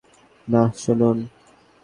না, শুনুন!